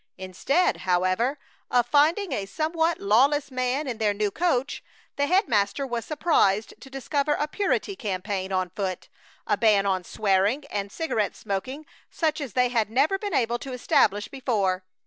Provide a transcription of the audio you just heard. Instead, however, of finding a somewhat lawless man in their new coach, the head master was surprised to discover a purity campaign on foot, a ban on swearing and cigarette smoking such as they had never been able to establish before.